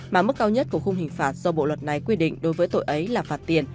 mà mức cao nhất của khung hình phạt do bộ luật này quy định đối với tội ấy là phạt tiền